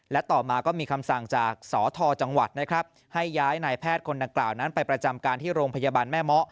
และต่อมาก็มีคำสั่งจากสทจังหวัดนะครับให้ย้ายนายแพทย์คนดังกล่าวนั้นไปประจำการที่โรงพยาบาลแม่เมาะ